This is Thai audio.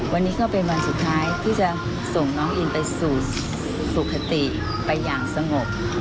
วันนี้ก็เป็นวันสุดท้ายที่จะส่งน้องอินไปสู่สุขติไปอย่างสงบ